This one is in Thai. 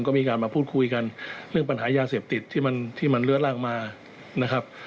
ก็มีการมาพูดคุยกันเรื่องปัญหายาเสพติดที่มันที่มันเลื้อร่างมานะครับ